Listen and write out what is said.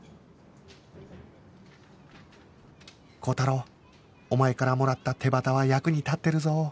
高太郎お前からもらった手旗は役に立ってるぞ